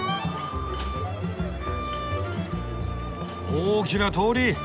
大きな通り！